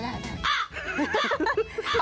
ฮ่าฮ่าฮ่า